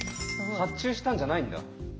発注したんじゃないんだ。